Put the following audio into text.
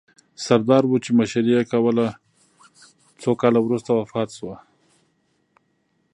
سردارو چې مشري یې کوله، څو کاله وروسته وفات سوه.